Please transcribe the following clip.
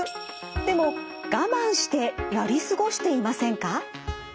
でも我慢してやり過ごしていませんか？